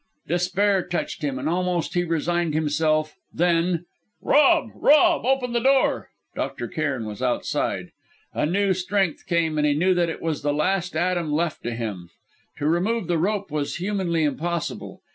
Despair touched him, and almost he resigned himself. Then, "Rob! Rob! open the door!" Dr. Cairn was outside. A new strength came and he knew that it was the last atom left to him. To remove the rope was humanly impossible.